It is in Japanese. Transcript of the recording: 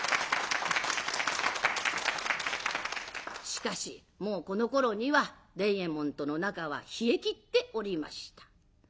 しかしもうこのころには伝右衛門との仲は冷えきっておりました。